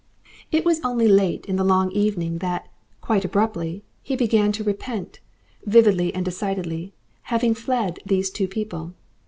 It was only late in the long evening that, quite abruptly, he began to repent, vividly and decidedly, having fled these two people.